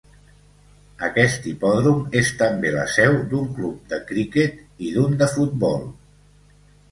Aquest hipòdrom és també la seu d'un club de criquet i d'un de futbol.